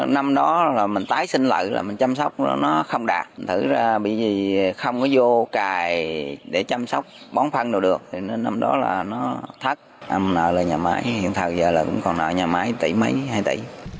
năm đó là nó thắt em nợ là nhà máy hiện thật giờ là cũng còn nợ nhà máy tỷ mấy hai tỷ